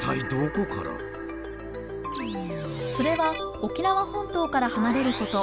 それは沖縄本島から離れること